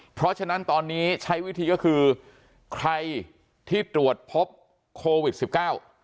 เพราะฉะนั้นตอนนี้ใช้วิธีก็คือใครที่ตรวจพบโควิดสิบเก้า